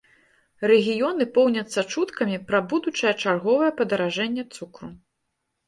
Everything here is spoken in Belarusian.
Рэгіёны поўняцца чуткамі пра будучае чарговае падаражэнне цукру.